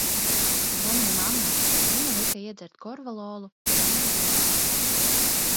Zvanīju mammai, viņa lika iedzert korvalolu un iet gulēt.